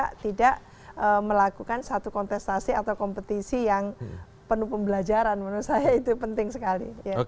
kita tidak melakukan satu kontestasi atau kompetisi yang penuh pembelajaran menurut saya itu penting sekali